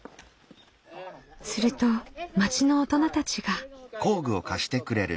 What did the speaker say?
すると町の大人たちが。